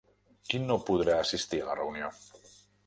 Qui no podrà assistir a la reunió?